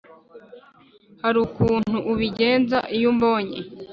hari ukuntu ubigenza iyo umbonye